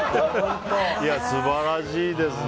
素晴らしいですね。